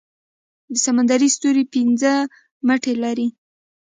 سمندري ستوری پنځه مټې لري